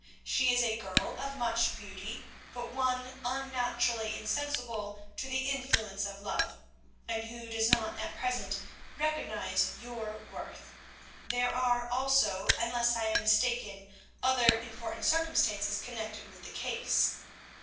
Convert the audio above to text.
She is a girl of much beauty, but one unnaturally insensible to the influence of love, and who does not at present recognise your worth. There are, also, unless I am mistaken, other important circumstances connected with the case.